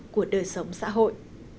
của đời sống xã hội